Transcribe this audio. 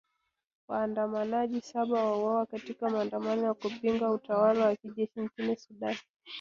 Waandamanaji saba wauawa katika maandamano ya kupinga utawala wa kijeshi nchini Sudan